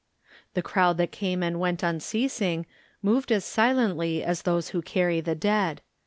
The crowd that came and went unceasing moved as silently as those who carry the dead.